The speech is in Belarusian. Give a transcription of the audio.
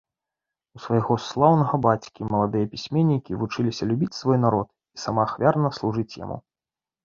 У свайго слаўнага бацькі маладыя пісьменнікі вучыліся любіць свой народ і самаахвярна служыць яму.